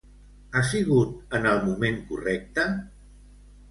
Ha sigut en el moment correcte?